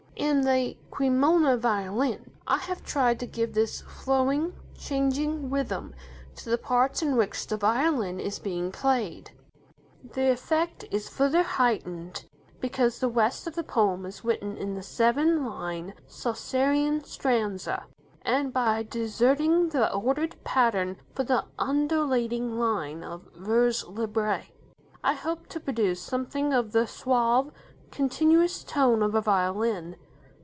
In "The Cremona Violin", I have tried to give this flowing, changing rhythm to the parts in which the violin is being played. The effect is farther heightened, because the rest of the poem is written in the seven line Chaucerian stanza; and, by deserting this ordered pattern for the undulating line of vers libre, I hoped to produce something of the suave, continuous tone of a violin.